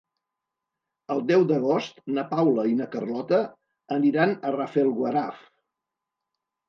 El deu d'agost na Paula i na Carlota aniran a Rafelguaraf.